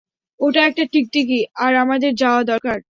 ওটা একটা টিকটিকি, আর আমাদের যাওয়া দরকার!